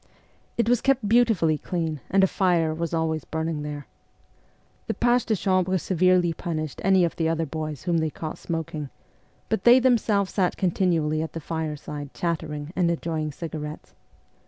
It was kept beautifully clean, and a fire was always burning there. The pages de chambre severely punished any of the other boys whom they caught smoking, but they themselves sat continually at the fireside chattering and enjoying cigarettes.